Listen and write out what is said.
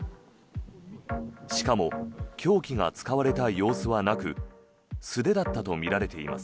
しかも凶器が使われた様子はなく素手だったとみられています。